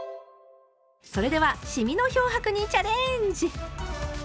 それではシミの漂白にチャレンジ！